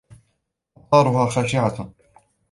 أَبصارُها خاشِعَةٌ